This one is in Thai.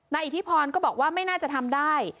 อิทธิพรก็บอกว่าไม่น่าจะทำได้